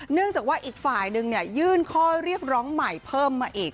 เนื่องจากว่าอีกฝ่ายนึงยื่นข้อเรียกร้องใหม่เพิ่มมาอีก